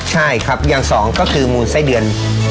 ใช่ครับอย่างสองก็คือมูลไส้เดือน